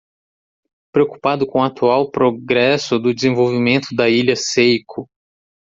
Preocupado com o atual progresso do desenvolvimento da Ilha Seiko